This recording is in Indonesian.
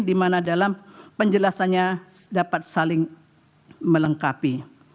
di mana dalam penjelasannya dapat saling melengkapi